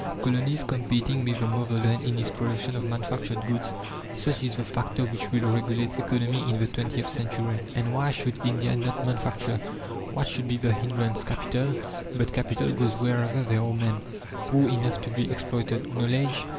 Colonies competing with the mother land in its production of manufactured goods, such is the factor which will regulate economy in the twentieth century. And why should India not manufacture? What should be the hindrance? Capital? But capital goes wherever there are men, poor enough to be exploited. Knowledge?